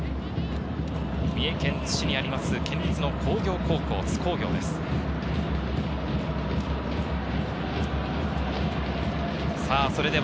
三重県津市にあります、県立の工業高校、津工業です。